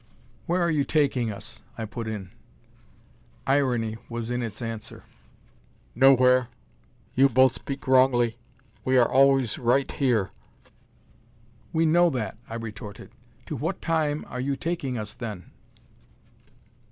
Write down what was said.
"Where are you taking us?" I put in. Irony was in its answer. "Nowhere. You both speak wrongly. We are always right here." "We know that," I retorted. "To what Time are you taking us, then?"